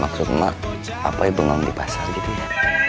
maksud mak apa yang bengong di pasar gitu ya